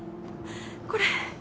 これ。